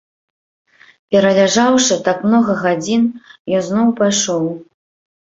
Пераляжаўшы так многа гадзін, ён зноў пайшоў.